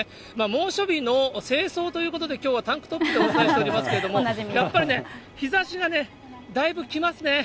猛暑日の正装ということで、きょうはタンクトップでお伝えしておりますけれども、やっぱりね、日ざしがね、だいぶきますね。